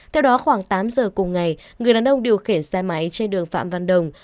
theo đó khoảng tám giờ cùng ngày người đàn ông điều khiển xe máy trên đường phạm văn đồng